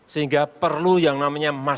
sehingga perlu yang namanya masyarakat